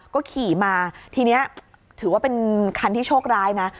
ก็ขี่มาทีนี้ถือว่าเป็นคันที่โชคร้ายนะ